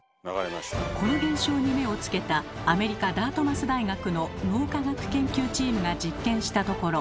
この現象に目をつけたアメリカダートマス大学の脳科学研究チームが実験したところ